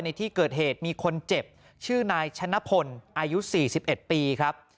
ในที่เกิดเหตุมีคนเจ็บชื่อนายชนะพลอายุ๔๑ปีครับ